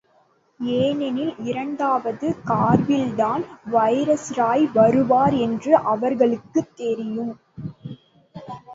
ஏனெனில் இரண்டாவது காரிவில்தான் வைஸ்ராய் வருவார் என்று அவர்களுக்குத் தெரியும்.